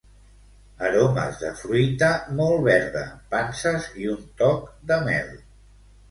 Aromes de fruita molt verda, panses i un toc de mel.